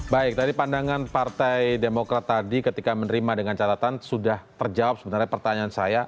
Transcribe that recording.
baik tadi pandangan partai demokrat tadi ketika menerima dengan catatan sudah terjawab sebenarnya pertanyaan saya